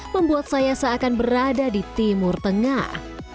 membuat saya seakan berada di timur tengah